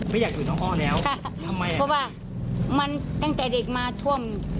ไม่อยากอยู่น้องอ้อแล้วค่ะทำไมอ่ะเพราะว่ามันตั้งแต่เด็กมาท่วม